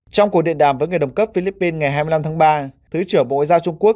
trong cuộc điện đàm với người đồng cấp philippines ngày hai mươi năm tháng ba thứ trưởng bộ ngoại giao trung quốc